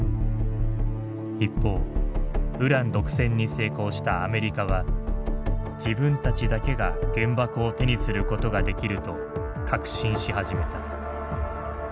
一方ウラン独占に成功したアメリカは自分たちだけが原爆を手にすることができると確信し始めた。